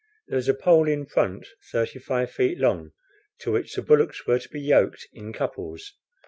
There was a pole in front thirty five feet long, to which the bullocks were to be yoked in couples.